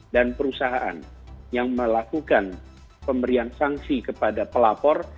dan perusahaan yang melakukan pemberian sanksi kepada pelapor